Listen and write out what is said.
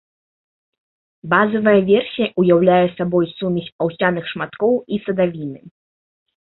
Базавая версія ўяўляе сабой сумесь аўсяных шматкоў і садавіны.